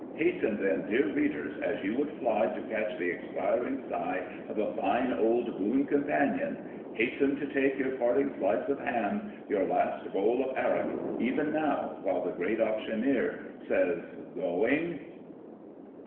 Hasten then, dear readers, as you would fly to catch the expiring sigh of a fine old boon companion — hasten to take your parting slice of ham, your last bowl of arrack— even now, while the great auctioneer says * going.'